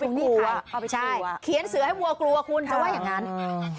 เขาไปกลัวใช่เขียนเสือให้วัวกลัวคุณถ้าว่าอย่างนั้นอืม